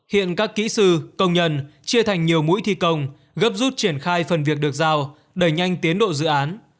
hiện các kỹ sư công nhân chia thành nhiều mũi thi công gấp rút triển khai phần việc được giao đẩy nhanh tiến độ dự án